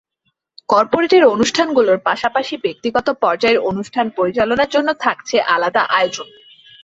Corporate অনুষ্ঠানগুলোর পাশাপাশি ব্যক্তিগত পর্যায়ের অনুষ্ঠান পরিচালনার জন্য থাকছে আলাদা আয়োজন।